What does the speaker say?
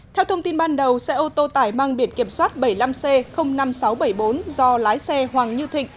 theo thông tin ban đầu xe ô tô tải mang biển kiểm soát bảy mươi năm c năm nghìn sáu trăm bảy mươi bốn do lái xe hoàng như thịnh